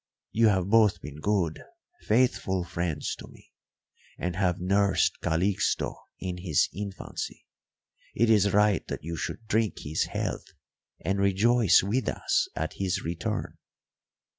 You have both been good, faithful friends to me, and have nursed Calixto in his infancy. It is right that you should drink his health and rejoice with us at his return."